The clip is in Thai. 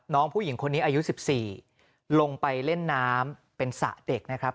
น้องผู้หญิงคนนี้อายุ๑๔ลงไปเล่นน้ำเป็นสระเด็กนะครับ